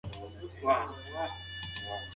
د اپریل میاشت به د ساینس مینه والو لپاره جالبه وي.